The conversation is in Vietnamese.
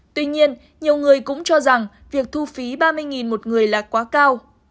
tuy nhiên nhiều người cũng cho rằng việc thu phí ba mươi một người là quá cao